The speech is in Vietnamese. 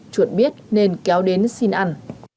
chuyện biết nên kéo đến xin ăn